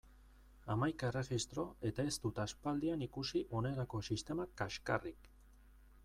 Hamaika erregistro eta ez dut aspaldian ikusi honelako sistema kaxkarrik!